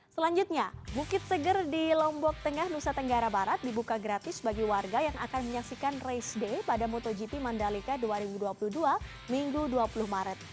selanjutnya bukit seger di lombok tengah nusa tenggara barat dibuka gratis bagi warga yang akan menyaksikan race day pada motogp mandalika dua ribu dua puluh dua minggu dua puluh maret